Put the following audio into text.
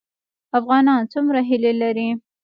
افغانان څومره هیلې لري؟